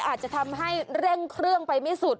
อาจจะทำให้เร่งเครื่องไปไม่สุด